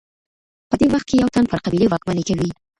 په دې وخت کي یو تن پر قبیلې واکمني کوي.